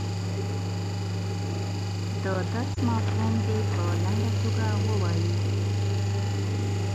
د درس مفهوم دې په لنډه توګه ووایي.